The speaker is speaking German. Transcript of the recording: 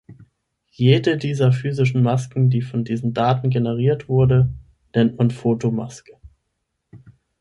Jede dieser physischen Masken, die von diesen Daten generiert wurde, nennt man Fotomaske.